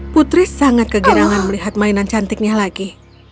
putri sangat kegerangan melihat mainan cantiknya lagi